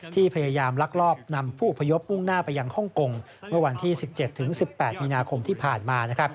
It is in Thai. พยายามลักลอบนำผู้อพยพมุ่งหน้าไปยังฮ่องกงเมื่อวันที่๑๗๑๘มีนาคมที่ผ่านมา